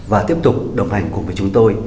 và tiếp tục đồng hành cùng với chúng tôi